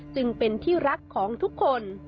จึงเป็นที่รักของทุกคน